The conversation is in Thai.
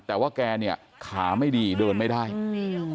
แต่ว่าแกเนี่ยขาไม่ดีเดินไม่ได้อืม